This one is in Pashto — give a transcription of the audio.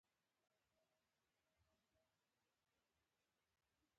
آیا نازو انا د پښتنو یوه لویه شاعره نه وه؟